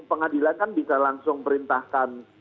pengadilan kan bisa langsung perintahkan